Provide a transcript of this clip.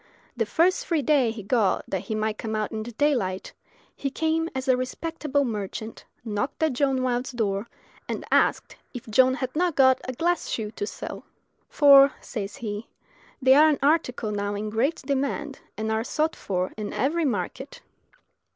The first free day he got that he might come out in the daylight, he came as a respectable merchant, knocked at John Wilde's door, and asked if John had not got a glass shoe to sell: "For," says he, "they are an article now in great demand, and are sought for in every market."